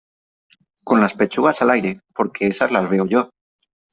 con las pechugas al aire , porque esas las veo yo